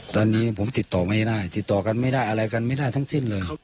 ตอนนี้ผมติดต่อไม่ได้ติดต่อกันไม่ได้อะไรกันไม่ได้ทั้งสิ้นเลย